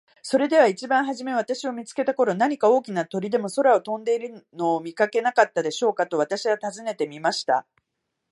「それでは一番はじめ私を見つけた頃、何か大きな鳥でも空を飛んでいるのを見かけなかったでしょうか。」と私は尋ねてみました。